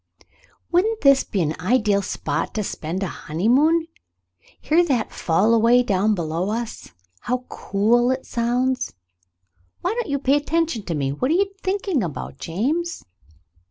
"Wouldn't this be an ideal spot to spend a honeymoon ? Hear that fall away down below us. How cool it sounds ! Why don't you pay attention to me ? What are you thinking about, James